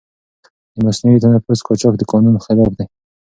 د مصنوعي تنفس قاچاق د قانون خلاف دی.